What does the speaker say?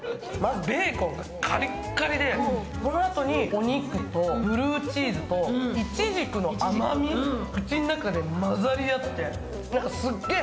ベーコンがカリッカリでこのあとにお肉とブルーチーズと、いちじくの甘み、口の中で混ざり合って、すっげぇ